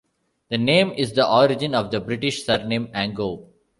The name is the origin of the British surname Angove.